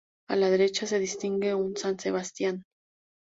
A la derecha se distingue un san Sebastián.